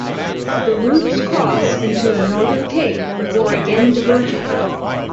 The routes cross into the Northern Cape before again diverging.